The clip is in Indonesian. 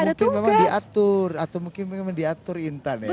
mungkin memang diatur atau mungkin memang diatur intan ya